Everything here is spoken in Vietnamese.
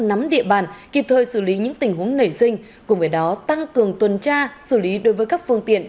nắm địa bàn kịp thời xử lý những tình huống nảy sinh cùng với đó tăng cường tuần tra xử lý đối với các phương tiện